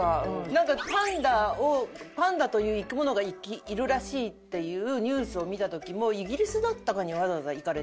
なんかパンダをパンダという生き物がいるらしいっていうニュースを見た時もイギリスだったかにわざわざ行かれて。